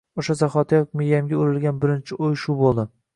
O`sha zahotiyoq miyamga urilgan birinchi o`y shu bo`ldi